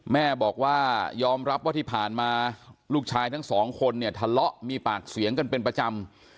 แม่บอกว่ายอมรับว่าที่ผ่านมาลูกชายทั้งสองคนเนี่ยทะเลาะมีปากเสียงกันเป็นประจำ